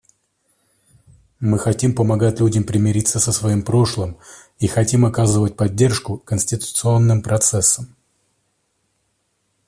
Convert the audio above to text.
Мы хотим помогать людям примириться со своим прошлым и хотим оказывать поддержку конституционным процессам.